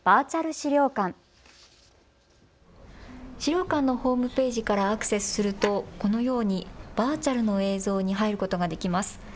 資料館のホームページからアクセスすると、このようにバーチャルの映像に入ることができます。